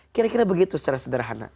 kira kira begitu secara sederhana